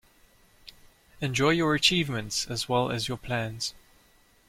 Enjoy your achievements as well as your plans.